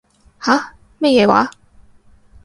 吓？咩嘢話？